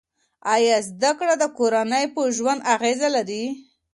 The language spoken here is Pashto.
آیا زده کړه د کورنۍ په ژوند اغېزه لري؟